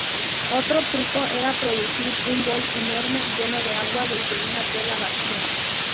Otro truco era producir un bol enorme, lleno de agua, desde una tela vacía.